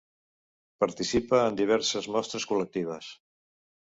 Participa en diverses mostres col·lectives.